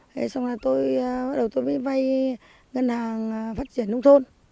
thế xong là tôi bắt đầu tôi mới vay ngân hàng phát triển nông thôn